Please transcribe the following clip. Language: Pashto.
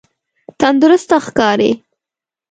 تندرسته ښکاری؟